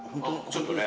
ちょっとね